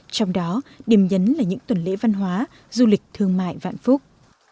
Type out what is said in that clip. trong đó điểm nhấn là những tuần lễ văn hóa du lịch thương mại vạn phúc